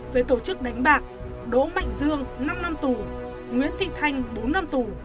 về tổ chức đánh bạc đỗ mạnh dương năm năm tù nguyễn thị thanh bốn năm tù